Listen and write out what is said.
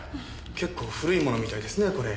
結構古いものみたいですねこれ。